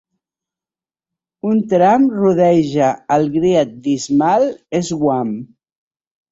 Un tram rodeja el Great Dismal Swamp.